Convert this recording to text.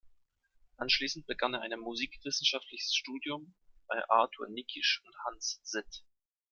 Anschließend begann er ein musikwissenschaftliches Studium bei Arthur Nikisch und Hans Sitt.